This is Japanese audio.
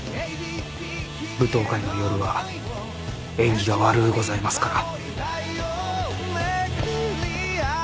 舞踏会の夜は縁起が悪うございますから。